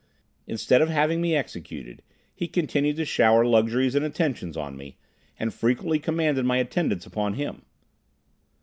Instead of having me executed, he continued to shower luxuries and attentions on me, and frequently commanded my attendance upon him.